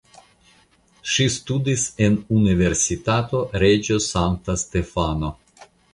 Ŝi studis en Universitato Reĝo Sankta Stefano.